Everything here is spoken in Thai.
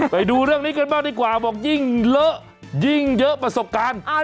ไปดูเรื่องนี้กันบ้างดีกว่าบอกยิ่งเลอะยิ่งเยอะประสบการณ์